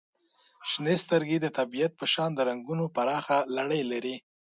• شنې سترګې د طبیعت په شان د رنګونو پراخه لړۍ لري.